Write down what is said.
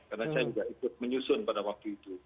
karena saya juga ikut menyusun pada waktu itu